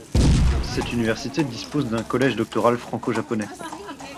Cette université dispose d'un collège doctoral franco-japonais.